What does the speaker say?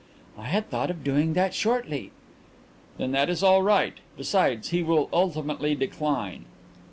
"I had thought of doing that shortly." "Then that is all right. Besides, he will ultimately decline."